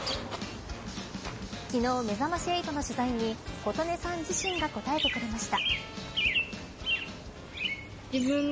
昨日めざまし８の取材に琴音さん自身が答えてくれました。